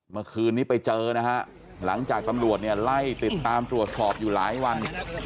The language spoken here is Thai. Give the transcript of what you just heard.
เมื่อคืนนี้ไปเจอนะฮะหลังจากตำรวจเนี่ยไล่ติดตามตรวจสอบอยู่หลายวัน